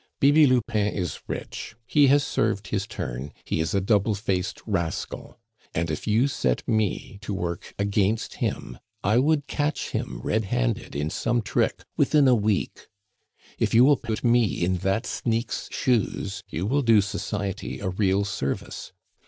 Bibi Lupin is rich; he has served his turn; he is a double faced rascal. And if you set me to work against him, I would catch him red handed in some trick within a week. If you will put me in that sneak's shoes, you will do society a real service.